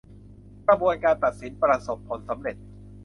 กระบวนการตัดสินประสบผลสำเร็จ